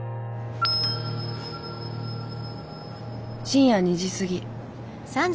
深夜２時過ぎ。